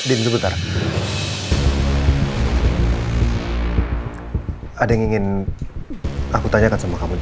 untuk cara lakuin kesempatan awal